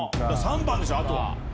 ３番でしょあとは。